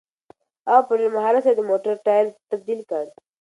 هغه په ډېر مهارت سره د موټر ټایر تبدیل کړ.